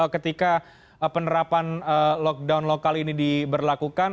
ketika penerapan lockdown lokal ini diberlakukan